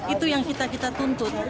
itu yang kita tuntut